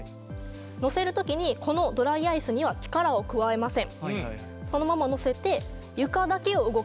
乗せる時にこのドライアイスには力を加えません。